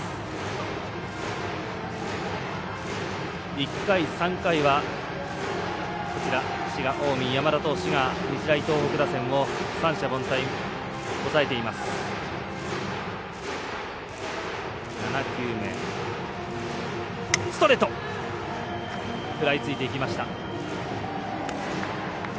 １回３回は滋賀、近江、山田投手が日大東北打線を三者凡退に抑えています。